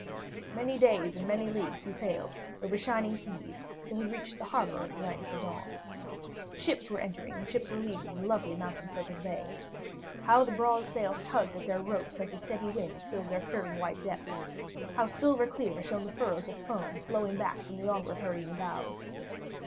Many days and many leagues he sailed, over shining seas, till he reached the harbor of the Land of the Dawn. Ships were entering and ships were leaving the lovely mountain circled bay. How the broad sails tugged at their ropes as a steady wind filled their curving white depths! How silver clear shone the furrows of foam flowing back from the onward hurrying bows!